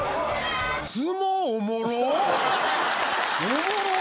おもろっ！